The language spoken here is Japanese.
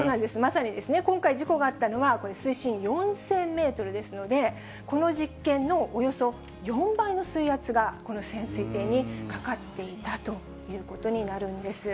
そうですね、今回まさに事故があったのは、これ、水深４０００メートルですので、この実験のおよそ４倍の水圧が、この潜水艇にかかっていたということになるんです。